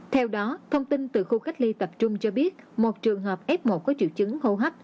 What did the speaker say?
theo đó thông tin từ khu cách ly tập trung cho biết một trường hợp f một có triệu chứng hô hấp